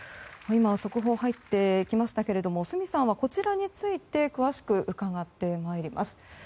今、速報が入ってきましたけれど角さんに、こちらについて詳しく伺ってまいります。